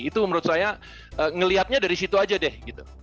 itu menurut saya ngelihatnya dari situ aja deh gitu